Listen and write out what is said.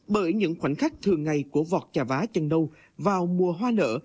bởi những khoảnh khắc thường ngày của vọt chà vá chân nâu vào mùa hoa nở